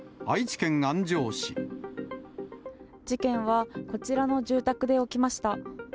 事件はこちらの住宅で起きました。